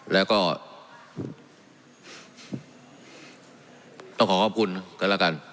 แล้วก็ต้องขอขอบคุณกันแล้วกัน